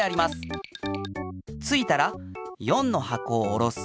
ついたら４のはこをおろす。